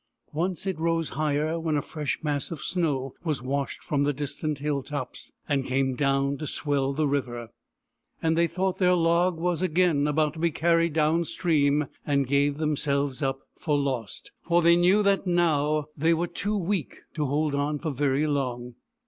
Once it rose higher, when a fresh mass of snow was washed from the distant hill tops, and came dovvn to swell the river ; and they thought their log was again about to be carried down stream, and gave themselves up 86 BOORAN, THE PELICAN for lost, for they knew that now they were too weak to hold on for very long.